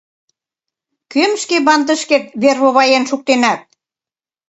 «Кӧм шке бандышкет вервоваен шуктенат?